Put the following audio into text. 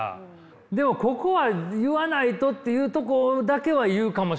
でもここは言わないとっていうとこだけは言うかもしれんな。